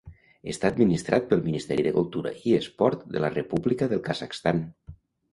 Està administrat pel Ministeri de Cultura i Esport de la República del Kazakhstan.